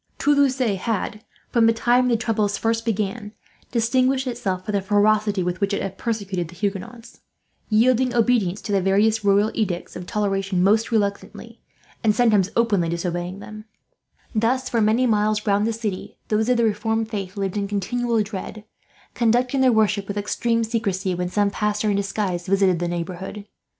Toulouse had, from the time the troubles first began, distinguished itself for the ferocity with which it had persecuted the Huguenots; yielding obedience to the various royal edicts of toleration most reluctantly, and sometimes openly disobeying them. Thus, for many miles round the city, those of the Reformed faith lived in continual dread; conducting their worship with extreme secrecy, when some pastor in disguise visited the neighbourhood, and outwardly conforming to the rites of the Catholic church.